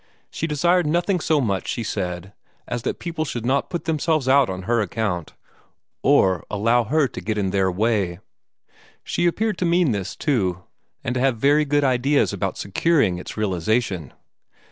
She desired nothing so much, she said, as that people should not put themselves out on her account, or allow her to get in their way. She appeared to mean this, too, and to have very good ideas about securing its realization.